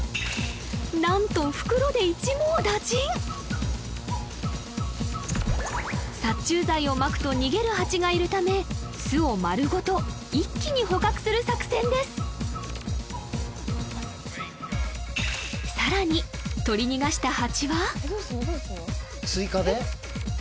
なんと殺虫剤をまくと逃げるハチがいるため巣を丸ごと一気に捕獲する作戦ですさらに取り逃がしたハチはどうすんの？